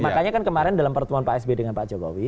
makanya kan kemarin dalam pertemuan pak sby dengan pak jokowi